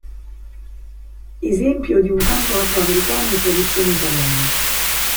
Esempio di un canto afroamericano e traduzione italiana.